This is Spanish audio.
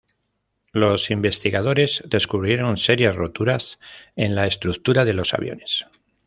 Los investigadores descubrieron serias roturas en la estructura de los aviones.